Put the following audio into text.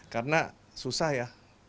karena susah ya